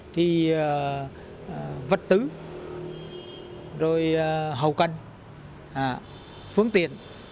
thì vật tứ rồi hầu căn phương tiện